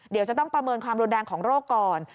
เดี๋ยวจะต้องประเมินความรุนแรงของโรคก่อน